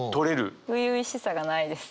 初々しさがないですよね。